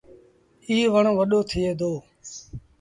ايٚ وڻ وڏو ٿئي دو۔